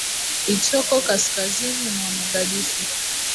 ichoko kaskazini mwa mogadishu